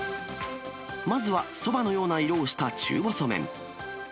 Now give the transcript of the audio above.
まずはそばのような色をした中細麺。